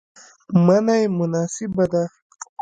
منی مناسبه ده